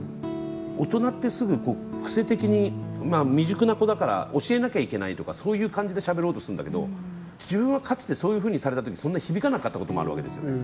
大人ってすぐ、こう癖的にまあ、未熟な子だから教えなきゃいけないとかそういう感じでしゃべろうとするんだけど自分はかつてそういうふうにされたときにそんなに響かなかったこともあるわけですよね。